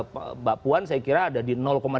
mbak puan saya kira ada di